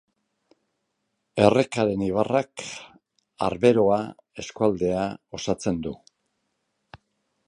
Errekaren ibarrak Arberoa eskualdea osatzen du.